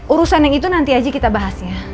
urusan yang itu nanti aja kita bahas ya